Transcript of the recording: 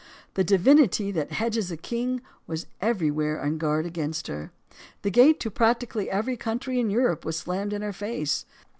The divinity that hedges a king was everywhere on guard against her. The gate to prac tically every country in Europe was slammed in her face.